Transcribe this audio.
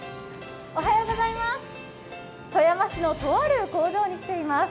富山市のとある工場に来ています。